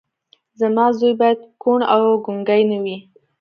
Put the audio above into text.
زما زوی بايد کوڼ او ګونګی نه وي.